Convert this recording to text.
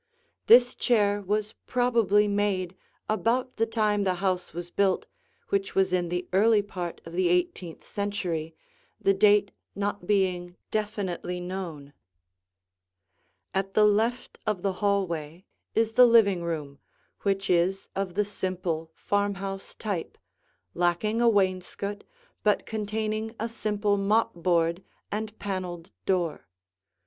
This chair was probably made about the time the house was built which was in the early part of the eighteenth century, the date not being definitely known. [Illustration: The Living Room] At the left of the hallway is the living room, which is of the simple farmhouse type, lacking a wainscot but containing a simple mopboard and paneled door.